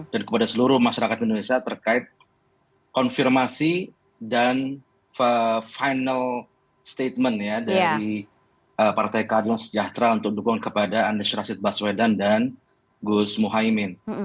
dan kepada seluruh masyarakat indonesia terkait konfirmasi dan final statement ya dari partai kadilang sejahtera untuk dukung kepada anies rasid baswedan dan gus muhaymin